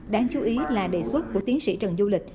đáng chú ý là đề xuất của tiến sĩ trần du lịch